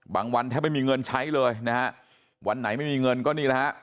วันแทบไม่มีเงินใช้เลยนะฮะวันไหนไม่มีเงินก็นี่แหละฮะ